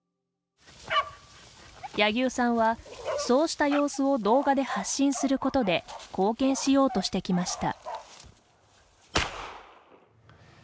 柳生さんはそうした様子を動画で発信することで貢献しようとしてきました。